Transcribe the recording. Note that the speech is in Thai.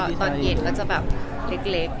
แล้วกะตอนเย็นก็จะแบบเล็ก